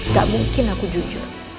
gak mungkin aku jujur